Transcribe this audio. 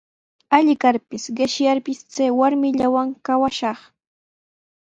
Alli karpis, qishyarpis chay warmillawan kawashaq.